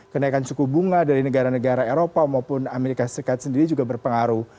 kenaikan suku bunga dari negara negara eropa maupun amerika serikat sendiri juga berpengaruh